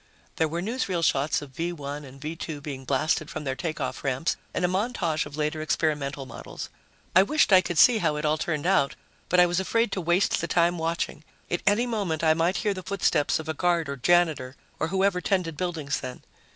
There were newsreel shots of V 1 and V 2 being blasted from their takeoff ramps and a montage of later experimental models. I wished I could see how it all turned out, but I was afraid to waste the time watching. At any moment, I might hear the footsteps of a guard or janitor or whoever tended buildings then.